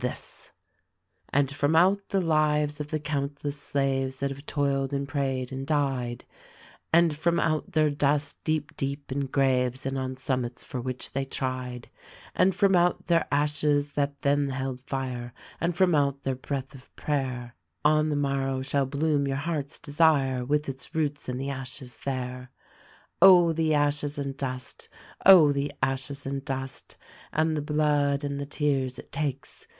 This: "And from out the lives of the countless slaves that have toiled and prayed and died, And from out their dust, deep, deep, in graves, and on summits for which they tried, And from out their ashes that then held fire, and from out their breath of prayer — On the morrow shall bloom your heart's desire, — with its roots in the ashes there. Oh, the ashes and dust ! Oh, the ashes and dust ! and the blood and the tears it takes